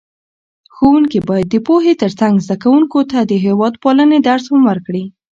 ښوونکي باید د پوهې ترڅنګ زده کوونکو ته د هېوادپالنې درس هم ورکړي.